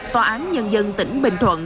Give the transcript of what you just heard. tòa án nhân dân tỉnh bình thuận